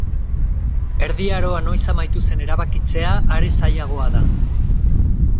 Erdi Aroa noiz amaitu zen erabakitzea are zailagoa da.